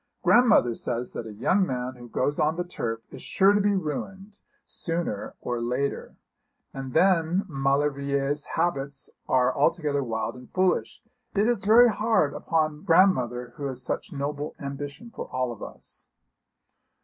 Grandmother says that a young man who goes on the turf is sure to be ruined sooner or later. And then Maulevrier's habits are altogether wild and foolish. It is very hard upon grandmother, who has such noble ambition for all of us.'